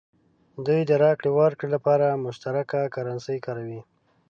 دوی د راکړې ورکړې لپاره مشترکه کرنسي کاروي.